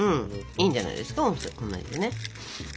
いいんじゃないですか同じでね。